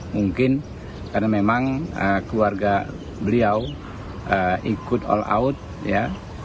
mungkin karena memang keluarga beliau ikut all out ya